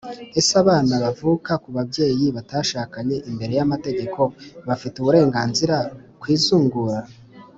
ese abana bavuka ku babyeyi batashakanye imbere y’amategako bafite uburenganzira ku izungura?